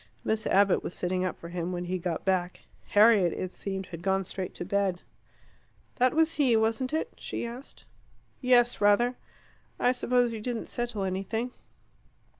Miss Abbott was sitting up for him when he got back. Harriet, it seemed, had gone straight to bed. "That was he, wasn't it?" she asked. "Yes, rather." "I suppose you didn't settle anything?"